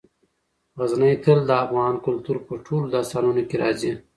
غزني تل د افغان کلتور په ټولو داستانونو کې راځي.